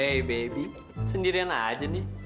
eh baby sendirian aja nih